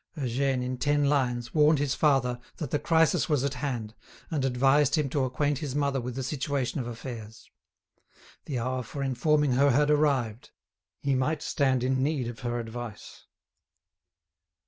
Eugène, in ten lines, warned his father that the crisis was at hand, and advised him to acquaint his mother with the situation of affairs. The hour for informing her had arrived; he might stand in need of her advice.